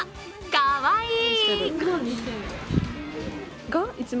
かわいい！